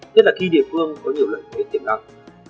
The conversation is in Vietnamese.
nhất là khi địa phương có nhiều lợi thế tiềm năng